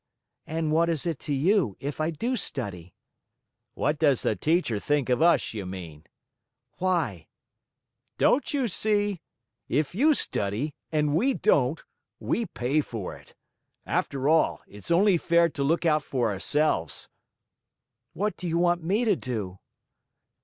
"And what is it to you, if I do study?" "What does the teacher think of us, you mean?" "Why?" "Don't you see? If you study and we don't, we pay for it. After all, it's only fair to look out for ourselves." "What do you want me to do?"